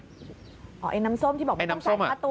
ไอ้น้ำส้มที่บอกไม่ต้องส่งค่าตัว